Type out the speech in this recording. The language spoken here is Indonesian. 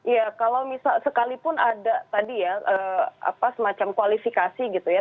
ya kalau misal sekalipun ada tadi ya semacam kualifikasi gitu ya